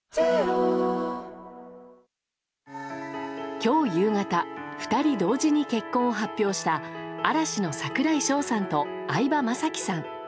今日夕方２人同時に結婚を発表した嵐の櫻井翔さんと相葉雅紀さん。